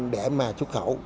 để mà xuất khẩu